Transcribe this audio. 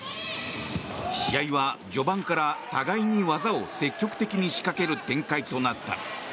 試合は序盤から互いに技を積極的に仕掛ける展開となった。